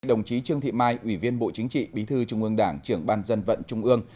đồng chí trương thị mai ủy viên bộ chính trị bí thư trung ương đảng trưởng ban dân vận trung ương